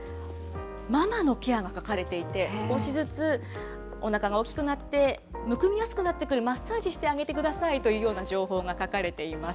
ママのケアが書かれていて、少しずつおなかが大きくなって、むくみやすくなってくる、マッサージしてあげてくださいという情報が書かれています。